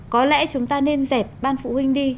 có lẽ chúng ta nên dẹp ban phụ huynh đi